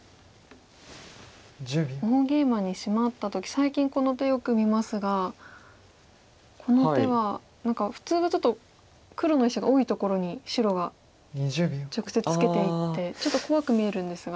大ゲイマにシマった時最近この手よく見ますがこの手は何か普通はちょっと黒の石が多いところに白が直接ツケていってちょっと怖く見えるんですが。